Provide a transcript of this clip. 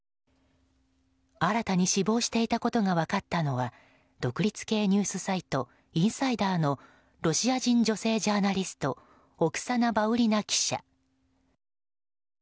新たに死亡していたことが分かったのは独立系ニュースサイトインサイダーのロシア人女性ジャーナリストオクサナ・バウリウ記者。